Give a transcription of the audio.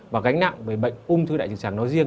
và gánh nặng về bệnh ung thư đại trực tràng nói riêng